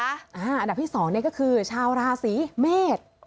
อันดับที่๒ก็คือชาวราศีเมษ